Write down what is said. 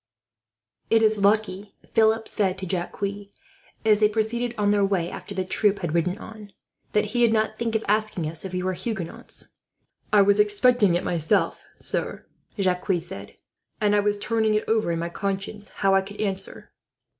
"It is lucky," Philip said to Jacques, as they proceeded on their way after the troop had ridden on, "that he did not think of asking us if we were Huguenots." "I was expecting it myself, sir," Jacques said; "and I was just turning it over in my conscience, how I could answer."